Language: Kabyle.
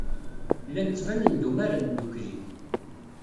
Llan ttbanen-d umaren ddukkli.